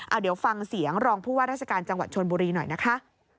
เอาเดี๋ยวฟังเสียงรองผู้ว่าราชการจังหวัดชนบุรีหน่อยนะคะ